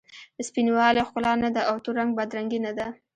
سپین والې ښکلا نه ده او تور رنګ بد رنګي نه ده.